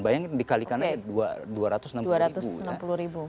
bayangin dikalikan aja dua ratus enam puluh ribu